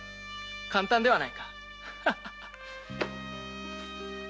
簡単ではないか。